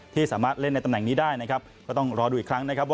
ที่สามารถเล่นในตำแหน่งนี้ได้นะครับก็ต้องรอดูอีกครั้งนะครับว่า